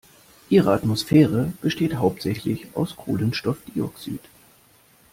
Ihre Atmosphäre besteht hauptsächlich aus Kohlenstoffdioxid.